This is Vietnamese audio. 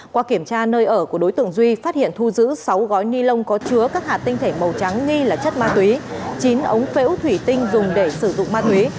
qua kiểm tra nơi ở của đối tượng duy phát hiện thu giữ sáu gói ni lông có chứa các hạt tinh thể màu trắng nghi là chất ma túy chín ống phễu thủy tinh dùng để sử dụng ma túy